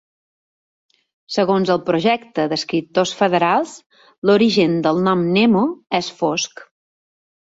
Segons el Projecte d'Escriptors Federals, l'origen del nom Nemo és fosc.